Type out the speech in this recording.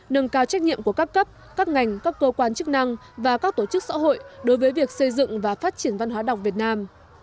nâng cao trách nhiệm của các cấp các ngành các cơ quan chức năng và các tổ chức xã hội đối với việc xây dựng và phát triển văn hóa đọc việt nam